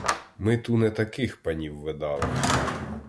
Ми ту не таких панів видали!